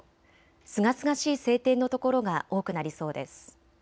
すがすがしい晴天の所が多くなりそうです。